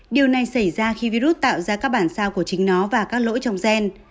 điều này xảy ra khi virus tạo ra các bản sao của chính nó và các lỗi trong gen